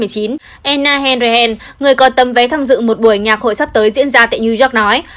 anna henry hen người còn tâm vé tham dự một buổi nhạc hội sắp tới diễn ra tại new york nói